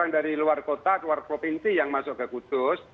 dari luar kota keluar provinsi yang masuk ke kudus